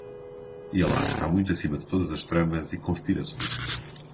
E Alá está muito acima de todas as tramas e conspirações